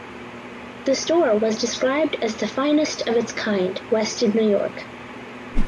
The store was described as the finest of its kind west of New York.